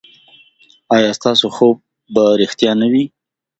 ایا ستاسو خوب به ریښتیا نه وي؟